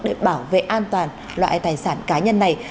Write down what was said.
để bảo vệ an toàn loại tài sản cá nhân này